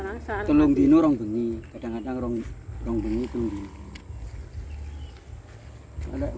kadang kadang di telung dino di telung tunggi